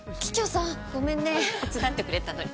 ごめんね、手伝ってくれたのに。